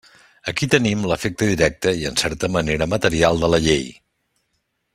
Aquí tenim l'efecte directe i en certa manera material de la llei.